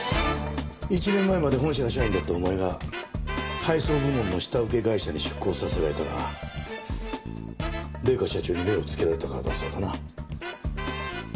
１年前まで本社の社員だったお前が配送部門の下請け会社に出向させられたのは玲香社長に目をつけられたからだそうだな。